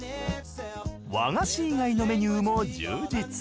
和菓子以外のメニューも充実。